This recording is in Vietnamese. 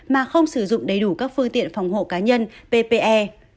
mà không sử dụng đầy đủ các phương tiện phòng hộ cá nhân ppe